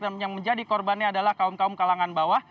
dan yang menjadi korbannya adalah kaum kaum kalangan bawah